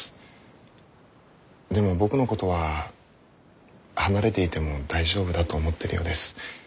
でも僕のことは離れていても大丈夫だと思ってるようです。